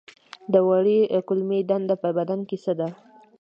د وړې کولمې دنده په بدن کې څه ده